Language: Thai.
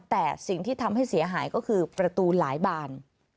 แต่สิ่งที่ทำให้เสียหายก็คือประตูหลายบาน